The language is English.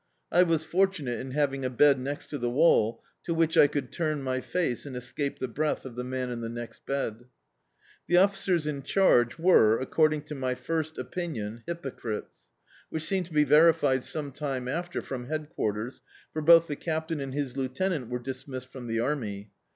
I was fortunate in having a bed next to the wall, to which I could turn my face and escape the breath of the man in the next bed. The officers in charge were, according to my first opinion, hypocrites ; which seemed to be verified some time after from Head Quarters, for both the Cap tain and his Lieutenant were dismissed from the Army.